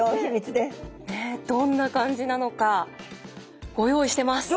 どんな感じなのかご用意してます。